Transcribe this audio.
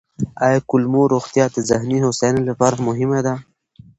آیا کولمو روغتیا د ذهني هوساینې لپاره مهمه ده؟